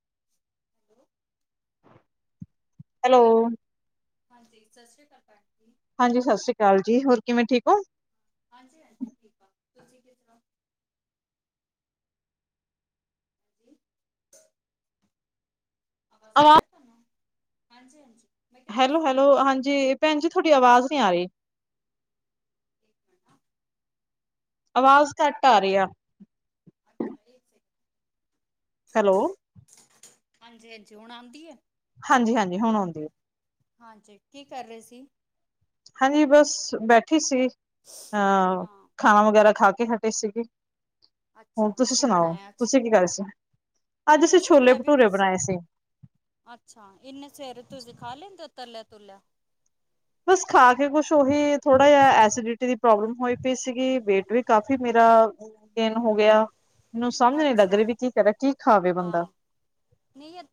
[inaudible] Hello. ਹਾਂਜੀ ਸਤਿ ਸ਼੍ਰੀ ਅਕਾਲ ਭੈਣ ਜੀ। ਹਾਂਜੀ, ਸਤਿ ਸ੍ਰੀ ਅਕਾਲ ਜੀ। ਹੋਰ ਕਿਵੇਂ ਠੀਕ ਹੋ। ਹਾਂਜੀ ਹਾਂਜੀ, ਠੀਕ ਆ ਤੁਸੀਂ ਕਿਸ ਤਰ੍ਹਾਂ। ਹਾਜੀਂ। ਅਵਾਜ ਆ ਆਵਾ ਰਹੀ ਤੈਨੂੰ। ਹਾਂਜੀ - ਹਾਂਜੀ। ਮੈਂ ਕਿਹਾ ਹੈਲੋ ਤੁਸੀਂ ਹੈਲੋ, ਕੀ ਕਰਦੇ ਹਾਂਜੀ ਭੈਣ ਜੀ ਥੋਡੀ ਆਵਾਜ਼ ਨੀ ਅ ਰਹੀ। [unintelligible] [unintelligible] ਆਵਾਜ਼ ਘੱਟ ਆ ਰਹੀ ਇੱਕ ਆ। ਅੱਛਾ ਇਹ। ਹੈਲੋ। ਹਾਂਜੀ- ਹਾਂਜੀ, ਹੁਣ ਆਉਂਦੀ ਹੈ। ਹਾਂਜੀ- ਹਾਂਜੀ ਹੁਣ ਆਉਂਦੀ ਹੈ। ਹਾਂਜੀ ਕੀ ਕਰ ਰਹੇ ਸੀ। ਹਾਂਜੀ, ਬਸ ਬੈਠੀ ਸੀ। ਹਾ ਹਾਂ ਖਾਣਾ ਵਗੈਰਾ ਖਾ ਕੇ ਹਟੇ ਸੀਗੇ। ਹੁਣ ਅੱਛਾ ਤੁਸੀਂ ਕੀ ਸੁਣਾਓ। ਬਣਾਇਆ ਅੱਜ ਤੁਸੀਂ ਕੀ ਕਹਿ ਰਹੇ ਸੀ। ਅੱਜ ਅਸੀਂ ਕੁਛ ਨਹੀਂ ਛੋਲੇ ਮੈਂ ਵੀ ਭਟੂਰੇ ਬਸ ਬਣਾਏ ਸੀ। ਅੱਛਾ,। ਇੰਨੇ ਸਵੇਰੇ ਤੁਸੀਂ ਖਾ ਲੈਂਦੇ ਤਲਿਆ -ਤੂਲਿਆ ਬਸ ਖਾ ਕੇ ਕੁਛ ਉਹੀ ਥੋੜਾ ਜਿਹਾ ਐਸੀਡਿਟੀ ਦੀ ਪ੍ਰੋਬਲਮ ਹੋਈ ਪਈ ਸੀਗੀ। ਵੇਟ ਵੀ ਕਾਫੀ ਮੇਰਾ ਦਿਨ ਹੋ ਗਿਆ ਮੈਨੂੰ ਸਮਝ ਨੀ ਲੱਗ ਅੱਛਾ ਰਹੀ। ਵੀ ਕੀ ਕਰੇ, ਕੀ ਖਾਵੇ ਬੰਦਾ। ਹਾਂ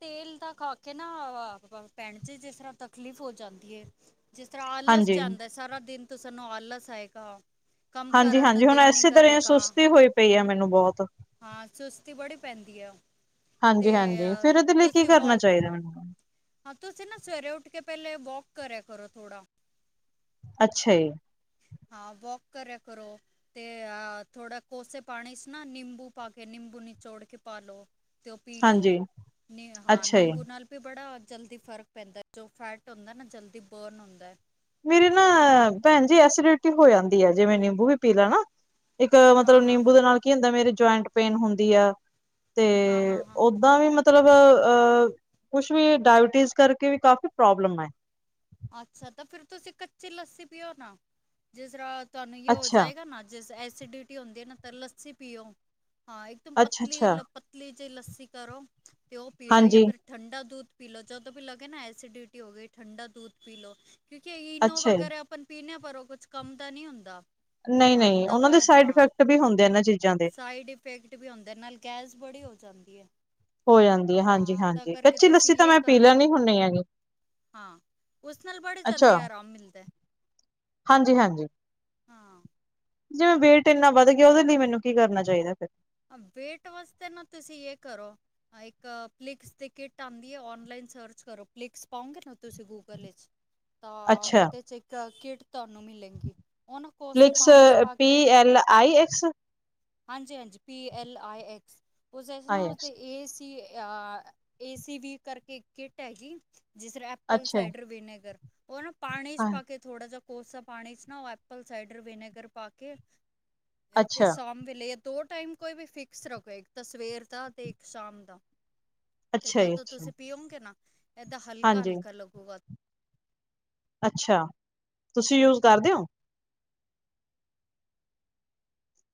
ਤੇਲ ਦਾ ਖਾ ਕੇ ਨਾ। ਭੈਣ ਜੀ ਜਿਸ ਤਰਾਂ ਤਕਲੀਫ ਹੋ ਜਾਂਦੀ ਹੈ। ਜਿਸ ਤਰ੍ਹਾਂ ਆਲਸ ਜਾ ਹਾਂਜੀ। ਆਦਾ ਹੈ। ਸਾਰਾ ਦਿਨ ਤੂੰ ਸਾਨੂੰ ਆਲਸ ਆਏਗਾ। ਕੰਮ ਹਾਂਜੀ ਕਰਨ ਨੂੰ -ਹਾਂਜੀ, ਹੁਣ ਦਿਲ ਨਹੀਂ ਇਸੇ ਤਰ੍ਹਾਂ ਕਰੇਗਾ ਸੁਸਤੀ ਹੋਈ ਪਈ ਆ ਮੈਨੂੰ ਬਹੁਤ। ਹਾਂ ਸੁਸਤੀ ਬੜੀ ਪੈਂਦੀ ਹੈ। ਹਾਂਜੀ ਤੇ -ਹਾਂਜੀ, ਫਿਰ ਉਹਦੇ ਲਈ ਕੀ ਕਰਨਾ ਚਾਹੀਦਾ ਮੈਨੂੰ ਹਾ ਤੁਸੀ ਨਾ ਸਵੇਰੇ ਉੱਠ ਕੇ ਪਹਿਲੇ ਵਾਕ ਕਰਿਆ ਕਰੋ ਥੋੜਾ ਅੱਛਾ ਜੀ। ਹਾਂ ਵੋਕ ਕਰਿਆ ਕਰੋ। ਤੇ ਥੋੜਾ ਕੋਸੇ ਪਾਣੀ ਚ ਨਾ ਨਿੰਬੂ ਪਾ ਕੇ, ਨਿੰਬੂ ਨਿਚੋੜ ਕੇ ਪਾ ਲੋ। ਤੇ ਉਹ ਪੀ ਲਓ ਹਾਂਜੀ, ਨੀ ਹਾਂ ਅੱਛਾ ਜੀ। ਨਿੰਬੂ ਨਾਲ ਵੀ ਬੜਾ ਜਲਦੀ ਫ਼ਰਕ ਪੈਂਦਾ ਜੋ ਫੈਟ ਹੁੰਦਾ ਨਾ ਜਲਦੀ ਬਰਨ ਹੁੰਦਾ ਮੇਰੀ ਨਾ ਹਾਂ। ਭੈਣ ਜੀ ਐਸੀਿਡਿਟੀ ਹੋ ਜਾਂਦੀ ਹੈ। ਜਿਵੇਂ ਨਿੰਬੂ ਵੀ ਪੀ ਲੈ ਨਾ, ਇੱਕ ਹਾਂ ਮਤਲਬ ਹਾਂ ਨਿੰਬੂ ਹਾਂ ਦੇ ਨਾਲ ਕੀ ਹੁੰਦਾ ਮੇਰੇ ਜੁਆਇੰਟ ਪੇਨ ਹੁੰਦੀ ਆ। ਤੇ ਹਾਂ ਹਾਂ ਹਾਂ ਓਦਾਂ ਵੀ ਮਤਲਬ ਹਾਂ ਮਤਲਬ ਅ ਕੁਛ ਵੀ ਡਾਇਬੀਟੀਜ਼ ਕਰਕੇ ਵੀ ਕਾਫ਼ੀ ਪ੍ਰੋਬਲਮ ਹੈ। ਅੱਛਾ, ਤਾਂ ਫੇਰ ਤੁਸੀਂ ਕੱਚੀ ਲੱਸੀ ਪਿਓ ਨਾ। ਜਿਸ ਤਰ੍ਹਾਂ ਤੁਹਾਨੂੰ ਇਹ ਹੋ ਅੱਛਾ, ਜਾਏਗਾ ਨਾ ਜਿਸ ਐਸੀਡਿਟੀ ਹੁੰਦੀ ਨਾ ਤਾਂ ਲੱਸੀ ਪੀਓ। ਹਾਂ ਇੱਕਦਮ ਅੱਛਾ-ਅੱਛਾ, ਪਤਲੀ- ਪਤਲੀ ਜਿਹੀ ਲੱਸੀ ਕਰੋ। ਤੇ ਉਹ ਪੀ ਲਓ ਜਾਂ ਹਾਂਜੀ, ਫਿਰ ਠੰਡਾ ਦੁਧ ਪੀ ਲੋ ਜਦੋਂ ਵੀ ਲਗੇ ਨਾ ਐਸਿਡਿਟੀ ਹੋ ਗਈ ਠੰਡਾ ਦੁਧ ਪੀ ਲੋ। ਕਿਉਂਕਿ ਇਨੋ ਅੱਛਾ ਜੀ। ਵਗੈਰਾ ਆਪ ਪੀਣ ਪਰ ਕੁਛ ਕੰਮ ਦਾ ਨਹੀਂ ਹੁੰਦਾ। ਨਹੀਂ- ਹਾਂ ਨਹੀਂ ਉਹਨਾਂ ਦਵਾ ਦੇ ਸਾਈਡ ਇਫੈਕਟ ਵੀ ਹੁੰਦੇ ਇਹਨਾਂ ਚੀਜ਼ਾਂ ਦੇ। ਇਫੇਕਟ ਵੀ ਹੁੰਦੇ ਨੇ ਨਾਲ ਗੈਸ ਬੜੀ ਹੋ ਜਾਂਦੀ ਏ। ਹੋ ਜਾਂਦੀ ਹੈ ਹਾਂ ਤਾਂ ਹਾਂਜੀ-ਹਾਂਜੀ ਕਰਕੇ ਕੱਚੀ ਤੁਸੀਂ ਲੱਸੀ ਤਾਂ ਇਹ ਮੈਂ ਪੀ ਕਰੋ ਲੈਣੀ ਹੁੰਨੀ ਹੈਗੀ। ਹਾਂ। ਉਸ ਨਾਲ ਬੜੇ ਜਲਦੀ ਆਰਾਮ ਮਿਲਦਾ। ਹਾਂਜੀ -ਹਾਂਜੀ ਹਾਂ। ਜਿਵੇਂ ਵੇਟ ਇੰਨਾ ਵਧ ਗਿਆ ਉਹਦੇ ਲਈ ਮੈਨੂੰ ਕੀ ਕਰਨਾ ਚਾਹੀਦਾ ਫਿਰ ਵੇਟ ਵਾਸਤੇ ਨਾ ਤੁਸੀਂ ਇਹ ਕਰੋ। ਇੱਕ ਪਲਿਕਸ ਦੀ ਕਿੱਟ ਆਉਂਦੀ ਹੈ। ਆਨਲਾਈਨ ਸਰਚ ਕਰੋ ਪਲਿਕਸ ਪਾਉਗੇ ਨਾ ਤੁਸੀਂ ਗੂਗਲ 'ਚ ਤਾਂ ਅੱਛਾ, ਉਹਦੇ 'ਚ ਇਕ ਕਿਟ ਤੁਹਾਨੂੰ ਮਿਲੇਗੀ ਉਹ ਨਾ ਕੋਸੇ ਫਲਿਕਸ ਪਾਣੀ 'ਚ ਪਾ ਪੀ ਕੇ ਐਲ ਆਈ ਐਕਸ ਹਾਂਜੀ -ਹਾਂਜੀ ਪੀ -ਐੱਲ-ਆਈ-ਐਕਸ-ਉਸਦੇ ਨਾ ਆਈ ਐਕਸ ਉਸਦੇ ਐ ਸੀ ਆ ਏਸੀ ਵੀ ਕਰਕੇ ਇੱਕ ਕਿੱਟ ਹੈਗੀ ਜਿਸ ਤਰ ਐਪਲ ਅੱਛਾ ਜੀ, ਸਾਈਡਰ ਵਿਨੇਗਰ ਉਹ ਨਾ ਪਾਣੀ 'ਚ ਹਾਂ ਪਾ ਕੇ ਥੋੜਾ ਜਾਹਾ ਕੋਸਾ ਪਾਣੀ 'ਚ ਨਾ ਉਹ ਐਪਲ ਸਾਈਡਰ ਵਿਨੇਗਰ ਪਾ ਕੇ ਤੇ ਅੱਛਾ, ਸਾ ਵੇਲੇ ਦੋ ਟਾਈਮ ਕੋਈ ਵੀ ਫਿਕਸ ਰੱਖੋ ਇੱਕ ਤਾਂ ਸਵੇਰ ਦਾ ਤੇ ਇੱਕ ਸ਼ਾਮ ਦਾ। ਤੇ ਅੱਛਾ ਜੀ ਜਦੋਂ ਅੱਛਾ, ਤੁਸੀਂ ਪੀਓਗੇ ਨਾ ਏਦਾਂ ਹਾਂਜੀ ਹਲਕਾ-ਹਲਕਾ ਲੱਗੂਗਾ। ਅੱਛਾ ਤੁਸੀਂ ਯੂਜ ਕਰਦੇ ਹੋ।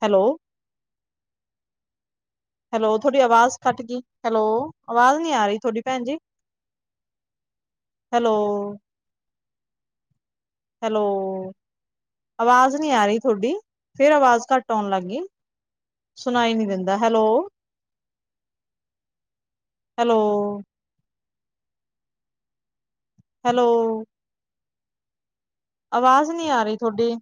ਹੈਲੋ। ਹੈਲੋ, ਤੁਹਾਡੀ ਆਵਾਜ਼ ਘੱਟ ਗਈ, ਹੈਲੋ, ਆਵਾਜ਼ ਨੀ ਆ ਰਹੀ ਤੁਹਾਡੀ, ਭੈਣ ਜੀ। ਹੈਲੋ। ਹੈਲੋ। ਆਵਾਜ਼ ਨਹੀਂ ਆ ਰਹੀ ਤੁਹਾਡੀ, ਫੇਰ ਆਵਾਜ਼ ਘੱਟ ਆਉਣ ਲੱਗ ਗਈ। ਸੁਣਾਈ ਨਹੀ ਦਿੰਦਾ ਹੈਲੋ ਹੈਲੋ। ਹੈਲੋ। ਆਵਾਜ਼ ਨਹੀਂ ਆ ਰਹੀ ਤੁਹਾਡੀੇ।